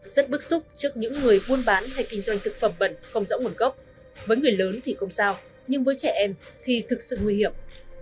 rất bức xúc trước những người buôn bán hay kinh doanh thực phẩm bẩn không rõ nguồn gốc với người lớn thì không sao nhưng với trẻ em thì thực sự nguy hiểm